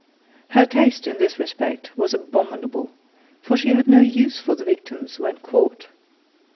Her taste in this respect was abominable, for she had no use for the victims when caught.